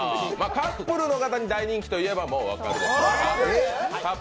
カップルの方に大人気といえばもう分かるかな。